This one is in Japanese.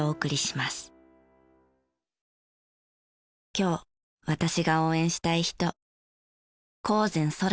今日私が応援したい人。